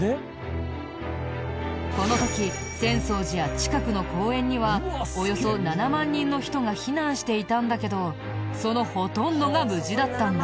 この時浅草寺や近くの公園にはおよそ７万人の人が避難していたんだけどそのほとんどが無事だったんだ。